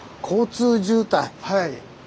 はい。